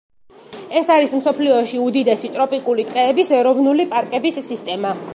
ეს არის მსოფლიოში უდიდესი ტროპიკული ტყეების, ეროვნული პარკების სისტემა.